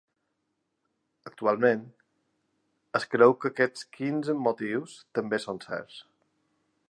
Actualment, es creu que aquests quinze motius també són certs.